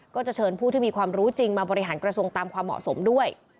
ก็จะเชิญผู้ที่มีความรู้จริงมาบริหารกระทรวงตามความเหมาะสมด้วย